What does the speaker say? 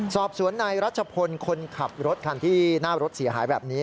สอบสวนนายรัชพลคนขับรถคันที่หน้ารถเสียหายแบบนี้